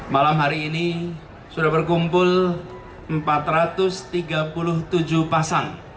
malam hari ini sudah berkumpul empat ratus tiga puluh tujuh pasang